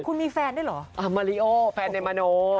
คุณมีแฟนได้เหรออ่ามารีโอแฟนในมันโอ